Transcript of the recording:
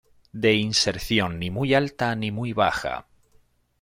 De inserción ni muy alta ni muy baja.